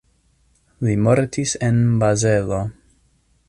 Li mortis en Bazelo.